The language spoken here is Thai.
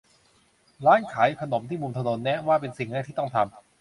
ร้านขายขนมที่มุมถนน แนะว่าเป็นสิ่งแรกที่ต้องทำ